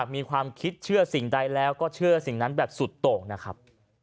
มีความคิดเชื่อสิ่งใดแล้วก็เชื่อสิ่งนั้นแบบสุดโต่งนะครับ